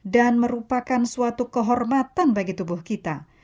dan merupakan suatu kehormatan bagi tubuh kita